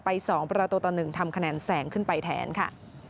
๒ประตูต่อ๑ทำคะแนนแสงขึ้นไปแทนค่ะ